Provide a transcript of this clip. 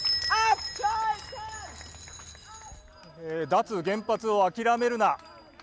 脱原発を諦めるな。